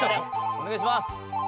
お願いします。